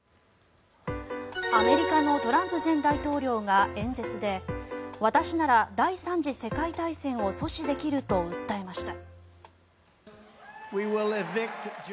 アメリカのトランプ前大統領が演説で私なら第３次世界大戦を阻止できると訴えました。